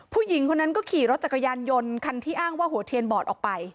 ผู้หญิงคนนั้นก็ขี่รถจักรยานยนต์คันที่อ้างว่าหัวเทียนบอดออกไป